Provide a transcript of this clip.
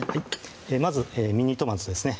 まずミニトマトですね